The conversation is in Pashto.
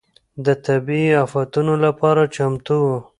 د طبيعي افتونو لپاره چمتو و.